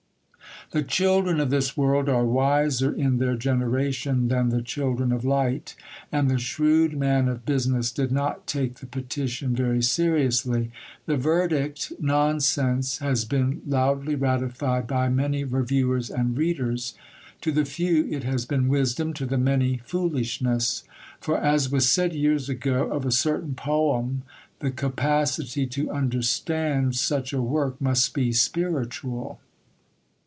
The children of this world are wiser in their generation than the children of light; and the shrewd man of business did not take the petition very seriously. The verdict Nonsense has been loudly ratified by many reviewers and readers; to the few it has been wisdom, to the many foolishness. For, as was said years ago of a certain poem, "The capacity to understand such a work must be spiritual."